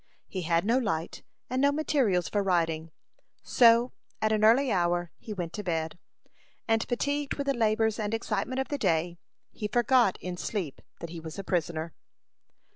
He had no light, and no materials for writing; so, at an early hour, he went to bed; and fatigued with the labors and excitement of the day, he forgot in sleep that he was a prisoner.